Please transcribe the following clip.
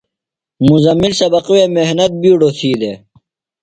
مزمل سبقیۡ وے محنت بِیڈوۡ تھی دےۡ۔